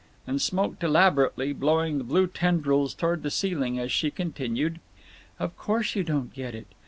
and smoked elaborately, blowing the blue tendrils toward the ceiling as she continued: "Of course you don't get it.